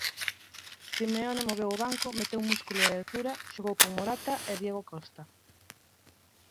Simeone moveu o banco, meteu músculo e altura, xogou con Morata e Diego Costa.